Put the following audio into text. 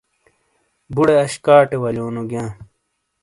بڑے اش کاٹے ولیونو گیاں۔